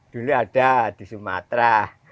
dulu ada di sumatera